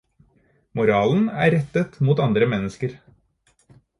Moralen er rettet mot andre mennesker.